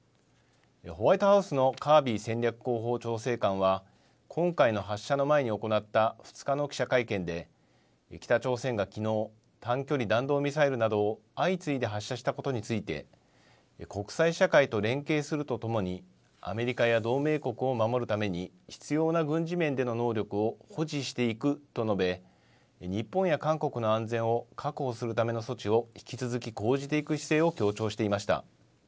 ホワイトハウスのカービー戦略広報調整官は今回の発射の前に行った２日の記者会見で北朝鮮がきのう短距離弾道ミサイルなどを相次いで発射したことについて国際社会と連携するとともにアメリカや同盟国を守るために必要な軍事面での能力を保持していくと述べ、日本や韓国の安全を確保するための措置を引き続き講じていく姿勢を強調していました。